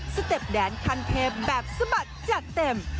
สเต็ปแดดคันเพบแบบสมัติจะเต็ม